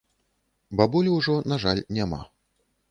Бабулі ўжо, на жаль, няма.